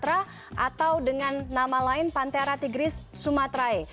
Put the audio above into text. harimau sumatera atau dengan nama lain pantera tigris sumaterae